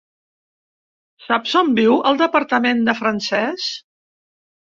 Saps on viu el departament de francès?